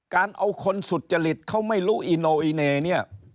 การเอาคนสุจริตเขาไม่รู้อีโนอีเนเนี่ย